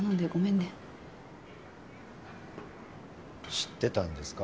知ってたんですか？